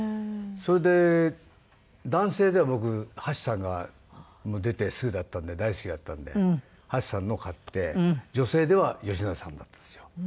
それで男性では僕橋さんが出てすぐだったんで大好きだったんで橋さんのを買って女性では吉永さんだったんですよ。